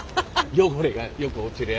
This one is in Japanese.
汚れがよく落ちるやつな。